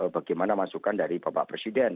bagaimana masukan dari bapak presiden